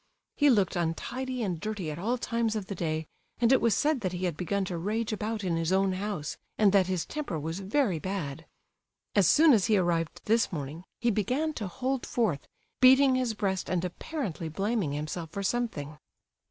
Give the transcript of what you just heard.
He looked untidy and dirty at all times of the day, and it was said that he had begun to rage about in his own house, and that his temper was very bad. As soon as he arrived this morning, he began to hold forth, beating his breast and apparently blaming himself for something.